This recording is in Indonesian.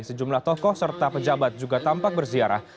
sejumlah tokoh serta pejabat juga tampak berziarah